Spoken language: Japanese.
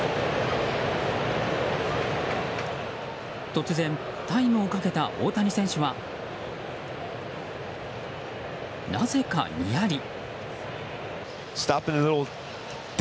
突然、タイムをかけた大谷選手はなぜかにやり。